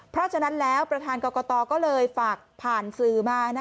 เพราะฉะนั้นแล้วประธานกรกตก็เลยฝากผ่านสื่อมา